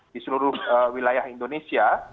di seluruh wilayah indonesia